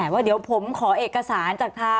ว่าเดี๋ยวผมขอเอกสารจากทาง